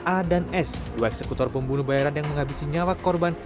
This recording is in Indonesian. a dan s dua eksekutor pembunuh bayaran yang menghabisi nyawa korban